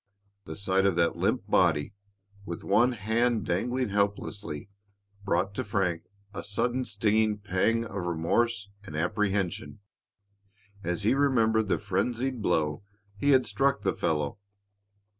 The sight of that limp body, with one hand dangling helplessly, brought to Frank a sudden stinging pang of remorse and apprehension as he remembered the frenzied blow he had struck the fellow.